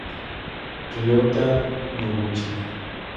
Ryota Noguchi